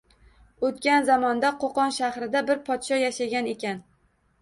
O‘tgan zamonda Qo‘qon shahrida bir podsho yashagan ekan